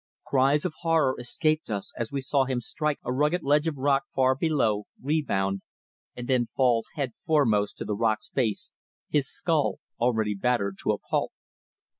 Cries of horror escaped us as we saw him strike a rugged ledge of rock far below, rebound, and then fall head foremost to the rock's base, his skull already battered to a pulp.